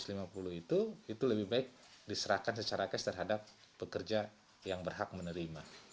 sehingga menurut kami uang kartu prakerja tiga lima ratus lima puluh itu lebih baik diserahkan secara kes terhadap pekerja yang berhak menerima